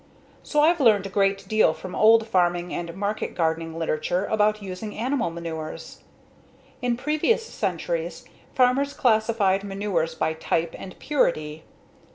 So I've learned a great deal from old farming and market gardening literature about using animal manures. In previous centuries, farmers classified manures by type and purity.